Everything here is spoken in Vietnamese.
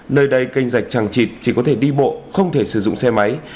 nơi đây kênh rạch chẳng chịt chỉ có thể đi bộ không thể sử dụng xe máy